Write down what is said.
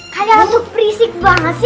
kalian tuh perisik banget sih